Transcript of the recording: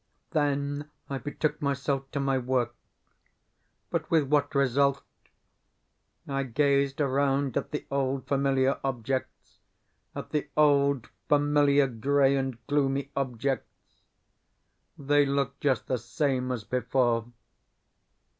Then I betook myself to my work. But with what result? I gazed around at the old familiar objects, at the old familiar grey and gloomy objects. They looked just the same as before.